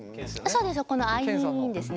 そうです。